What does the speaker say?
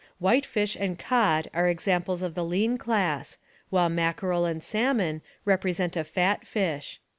Whitefish and cod are examples of the lean class, while mackerel and salmon represent a fat fish.